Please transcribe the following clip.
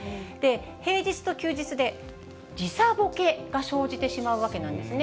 平日と休日で時差ボケが生じてしまうわけなんですね。